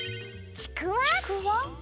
ちくわ？